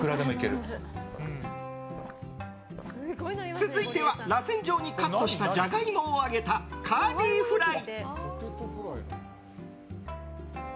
続いては、らせん状にカットしたジャガイモを揚げたカーリーフライ。